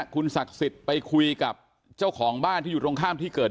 คุณศักดิ์สิทธิ์ไปคุยกับเจ้าของบ้านที่อยู่ตรงข้ามที่เกิด